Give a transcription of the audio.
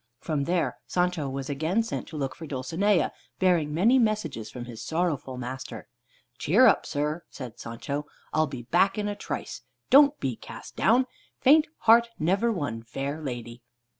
From there Sancho was again sent to look for Dulcinea, bearing many messages from his sorrowful master. "Cheer up, sir," said Sancho. "I'll be back in a trice. Don't be cast down. Faint heart never won fair lady."